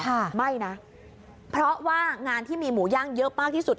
ค่ะไม่นะเพราะว่างานที่มีหมูย่างเยอะมากที่สุด